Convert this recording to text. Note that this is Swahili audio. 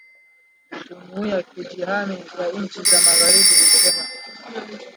jumuia ya kujihami ya nchi za magharibi imesema